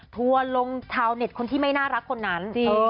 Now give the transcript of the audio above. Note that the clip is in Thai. ทัวร์ลงชาวเน็ตคนที่ไม่น่ารักคนนั้น